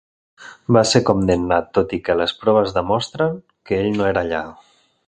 Va ser condemnat tot i que les proves demostren que ell no era allà.